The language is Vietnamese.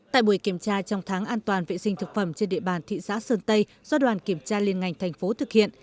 tại buổi kiểm tra trong tháng an toàn vệ sinh thực phẩm trên địa bàn thị xã sơn tây do đoàn kiểm tra liên ngành thành phố thực hiện